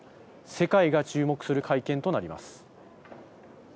世界が注目する会見となります。